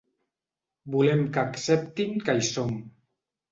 Volem que acceptin que hi som.